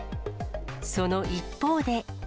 その一方で。